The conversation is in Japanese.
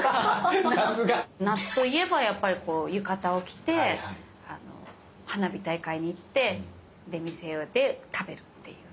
さすが！夏といえばやっぱりこう浴衣を着て花火大会に行って出店で食べるっていう。